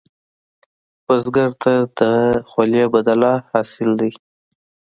بزګر ته د خولې بدله حاصل دی